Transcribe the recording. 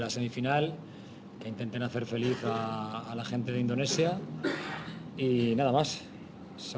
saya ingin mereka menikmati dan menikmati